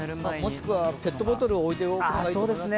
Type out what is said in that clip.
もしくはペットボトルを置いておくのがいいかも。